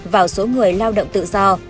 vào số người lao động tự do